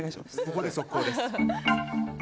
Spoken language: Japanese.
ここで速報です。